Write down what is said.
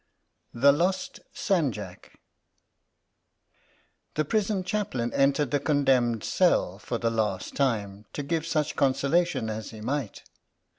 THE LOST SANJAK THE prison Chaplain entered the con demned's cell for the last time, to give such consolation as he might.